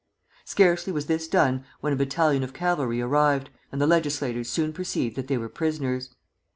Scarcely was this done when a battalion of cavalry arrived, and the legislators soon perceived that they were prisoners.